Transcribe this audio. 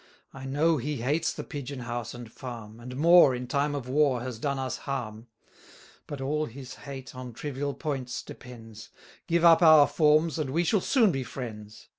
I know he hates the Pigeon house and Farm, And more, in time of war has done us harm: But all his hate on trivial points depends; Give up our forms, and we shall soon be friends.